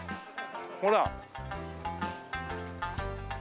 ほら。